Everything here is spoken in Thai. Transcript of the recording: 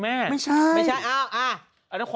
ไม่ใช่